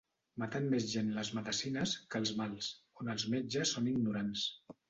Maten més gent les medecines, que els mals, on els metges són ignorants.